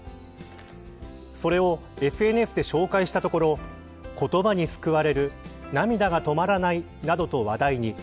それをＳＮＳで紹介したところ言葉に救われる涙が止まらないなどと話題に。